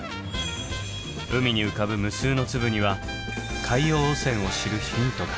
海に浮かぶ無数の粒には海洋汚染を知るヒントが。